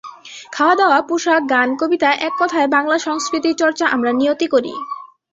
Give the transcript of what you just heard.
খাওয়াদাওয়া, পোশাক, গান, কবিতা এককথায় বাংলা সংস্কৃতির চর্চা আমরা নিয়তই করি।